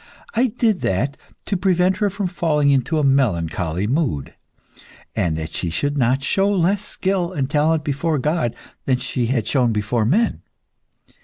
I did that to prevent her from falling into a melancholy mood, and that she should not show less skill and talent before God than she had shown before men.